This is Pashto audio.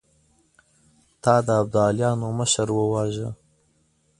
تا د ابداليانو مشر وواژه!